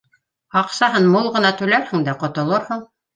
Аҡсаһын мул ғына түләрһең дә, ҡотолорһоң